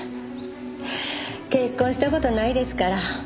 結婚した事ないですから。